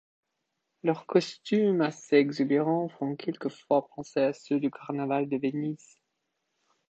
Leurs costumes assez exubérants font quelquefois penser à ceux du carnaval de Venise.